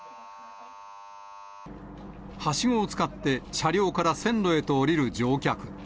はしごを使って、車両から線路へと降りる乗客。